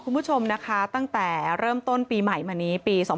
คุณผู้ชมนะคะตั้งแต่เริ่มต้นปีใหม่มานี้ปี๒๕๖